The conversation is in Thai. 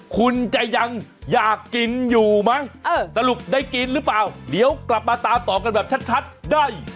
คุณจะยังอยากกินอยู่ไหมสรุปได้กินหรือเปล่าเดี๋ยวกลับมาตามต่อกันแบบชัดได้